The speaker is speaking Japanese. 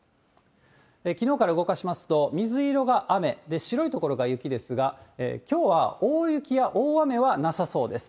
きのうから動かしますと、水色が雨で、白い所が雪ですが、きょうは大雪や大雨はなさそうです。